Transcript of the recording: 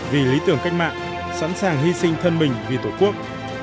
vì lý tưởng cách mạng sẵn sàng hy sinh thân mình vì tổ quốc